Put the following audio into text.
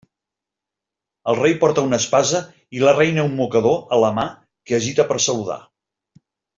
El Rei porta una espasa i la Reina un mocador a la mà que agita per a saludar.